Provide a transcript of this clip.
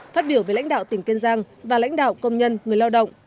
phát biểu với lãnh đạo tỉnh kiên giang và lãnh đạo công nhân người lao động